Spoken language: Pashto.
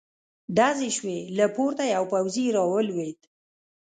ډزې شوې، له پورته يو پوځې را ولوېد.